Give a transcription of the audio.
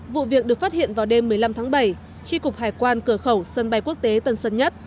vụ việc được phát hiện vào đêm một mươi năm tháng bảy tri cục hải quan cửa khẩu sân bay quốc tế tân sơn nhất